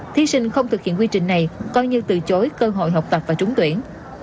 thí sinh không thực hiện quy trình này coi như từ chối cơ hội học tập và trúng tuyển